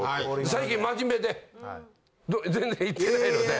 最近真面目で全然行ってないので。